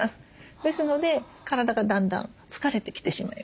ですので体がだんだん疲れてきてしまいます。